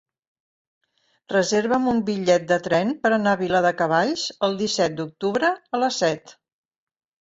Reserva'm un bitllet de tren per anar a Viladecavalls el disset d'octubre a les set.